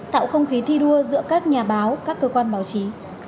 tạo không khí thi đua giữa các nhà báo các cơ quan báo chí